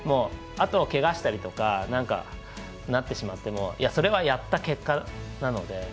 あとは、けがしたりとかなんかなってしまってもそれはやった結果なので。